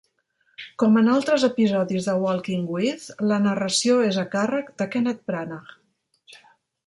Com en altres episodis de "Walking with...", la narració és a càrrec de Kenneth Branagh.